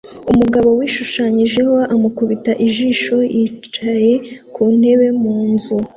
Umugabo wishushanyijeho amukubita ijisho yicaye ku ntebe mu nzu